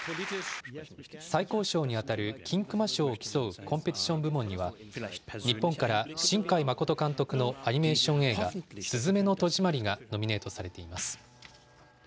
最高賞に当たる金熊賞を競うコンペティション部門には、日本から新海誠監督のアニメーション映画、すずめの戸締まりがノミネートされています。